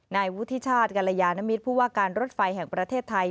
นายวุฒิชาติกรยานมิตรผู้ว่าการรถไฟแห่งประเทศไทย